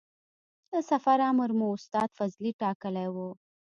د سفر امر مو استاد فضلي ټاکلی و.